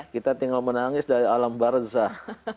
kita tinggal menangis dari alam barzah